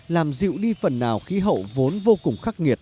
làm dịu đi phần nào khí hậu vốn vô cùng khắc nghiệt